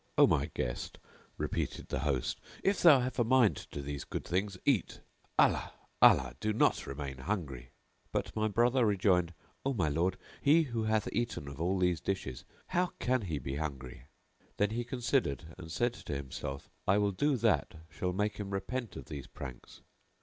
"O my guest," repeated the host, "if thou have a mind to these good things eat: Allah! Allah![FN#691] do not remain hungry;" but my brother rejoined, "O my lord, he who hath eaten of all these dishes how can he be hungry?" Then he considered and said to himself, "I will do that shall make him repent of these pranks."